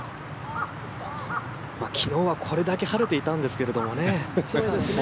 昨日はこれだけ晴れていたんですけどね。